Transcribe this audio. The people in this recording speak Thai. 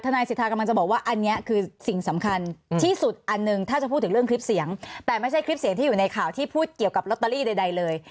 นายสิทธากำลังจะบอกว่าอันนี้คือสิ่งสำคัญที่สุดอันหนึ่งถ้าจะพูดถึงเรื่องคลิปเสียงแต่ไม่ใช่คลิปเสียงที่อยู่ในข่าวที่พูดเกี่ยวกับลอตเตอรี่ใดเลย